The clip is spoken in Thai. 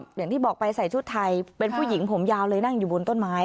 อย่างที่บอกไปใส่ชุดไทยเป็นผู้หญิงผมยาวเลยนั่งอยู่บนต้นไม้